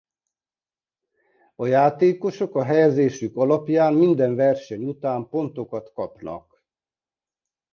A játékosok a helyezésük alapján minden verseny után pontokat kapnak.